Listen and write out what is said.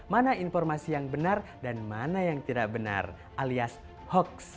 mana informasi yang benar dan mana yang tidak benar alias hoax